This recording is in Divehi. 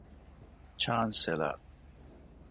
ޗާންސެލަރ